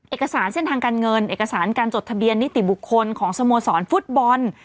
เอกสารเส้นทางการเงินเอกสารการจดทะเบียนนิติบุคคลของสโมสรฟุตบอล